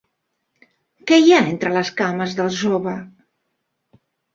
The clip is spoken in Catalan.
Què hi ha entre les cames del jove?